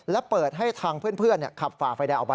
และเปิดให้ทางเพื่อนขับฝ่าไฟแดงออกไป